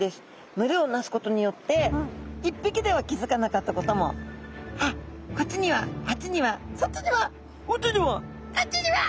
群れをなすことによって１ぴきでは気づかなかったこともあっこっちにはあっちにはそっちにはこっちにはあっちには。